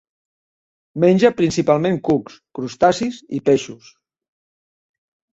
Menja principalment cucs, crustacis i peixos.